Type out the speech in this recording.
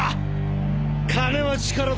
金は力だ。